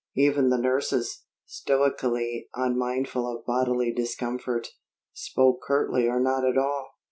Even the nurses, stoically unmindful of bodily discomfort, spoke curtly or not at all.